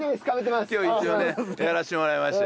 今日一応ねやらせてもらいましたよ。